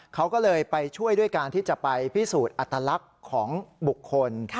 เขาก็เลยไปช่วยด้วยการที่จะไปพิสูจน์อัตลักษณ์ของบุคคล